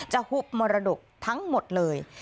ฮุบมรดกทั้งหมดเลย